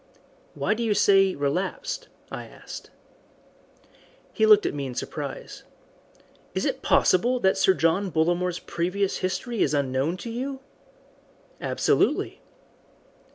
"Why do you say relapsed?" I asked. He looked at me in surprise. "Is it possible," said he, "that Sir John Bollamore's previous history is unknown to you?" "Absolutely."